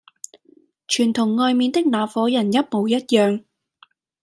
全同外面的那夥人一模一樣。